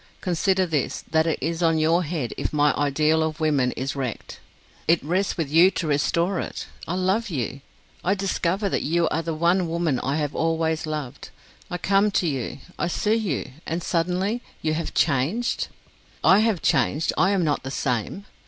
Consider this, that it is on your head if my ideal of women is wrecked. It rests with you to restore it. I love you. I discover that you are the one woman I have always loved. I come to you, I sue you, and suddenly you have changed! 'I have changed: I am not the same.'